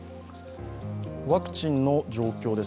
ワクチンの状況です。